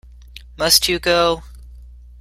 Must you go?